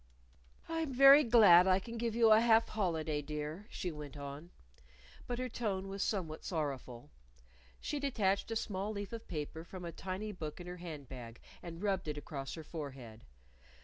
"I'm very glad I can give you a half holiday, dear," she went on. But her tone was somewhat sorrowful. She detached a small leaf of paper from a tiny book in her hand bag and rubbed it across her forehead.